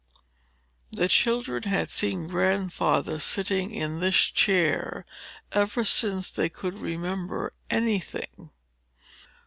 The children had seen Grandfather sitting in this chair ever since they could remember any thing.